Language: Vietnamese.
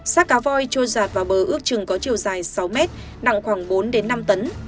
xác cá voi trôi giạt vào bờ ước trừng có chiều dài sáu m nặng khoảng bốn năm tấn